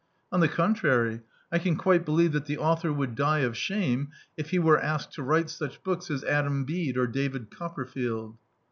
On the contrary, I can quite believe that the author would die of shame if he were asked to write such books as Adam Bede or David Copper field.